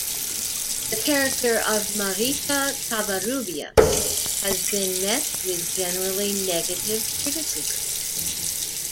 The character of Marita Covarrubias has been met with generally negative criticism.